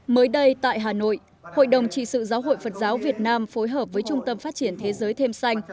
mới đây tại hà nội hội đồng trị sự giáo hội phật giáo việt nam phối hợp với trung tâm phát triển thế giới thêm xanh